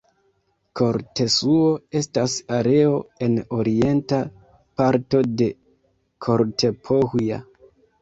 Kortesuo estas areo en orienta parto de Kortepohja.